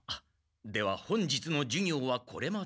では本日の授業はこれまで。